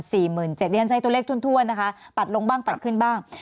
เดี๋ยวเราใช้ตัวเลขถ้วนนะคะปัดลงบ้างปัดขึ้นบ้าง